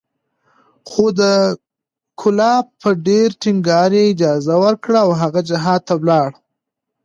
خو د کلاب په ډېر ټينګار یې اجازه ورکړه او هغه جهاد ته ولاړ